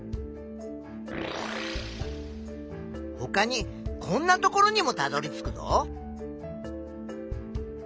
ほかにこんな所にもたどりつくぞ。